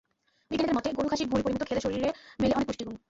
বিজ্ঞানীদের মতে, গরু-খাসির ভুঁড়ি পরিমিত খেলে শারীরে মেলে অনেক পুষ্টিগুণ।